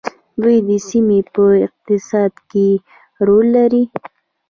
دوی د سیمې په اقتصاد کې رول لري.